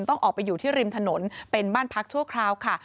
ต้องออกไปอยู่ที่ริมถนนเป็นบ้านพักชั่วคราวค่ะ